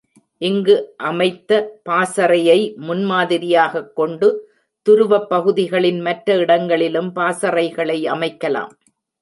இங்கு அமைத்த பாசறையை முன் மாதிரியாகக் கொண்டு துருவப் பகுதிகளின் மற்ற இடங்களிலும் பாசறைகளை அமைக்கலாம்.